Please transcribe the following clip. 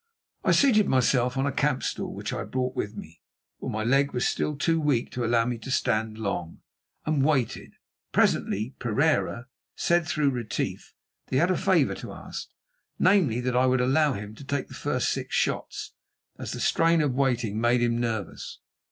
I seated myself on a camp stool, which I had brought with me, for my leg was still too weak to allow me to stand long, and waited. Presently Pereira said through Retief that he had a favour to ask, namely, that I would allow him to take the first six shots, as the strain of waiting made him nervous.